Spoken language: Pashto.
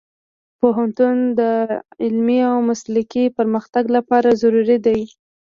پوهنتون د علمي او مسلکي پرمختګ لپاره ضروري دی.